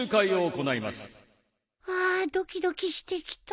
あードキドキしてきた